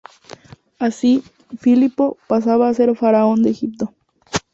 Así, Filipo pasaba a ser faraón de Egipto.